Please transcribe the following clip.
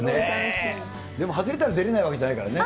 でも外れたら出れないわけじゃないからね。